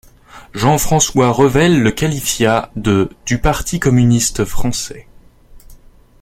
Jean-François Revel le qualifia de du Parti communiste français.